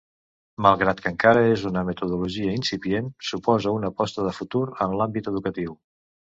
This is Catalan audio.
Malgrat que encara és una metodologia incipient, suposa una aposta de futur en l’àmbit educatiu.